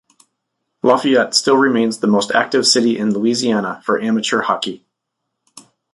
Lafayette still remains the most active city in Louisiana for amateur hockey.